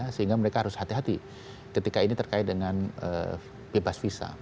sehingga mereka harus hati hati ketika ini terkait dengan bebas visa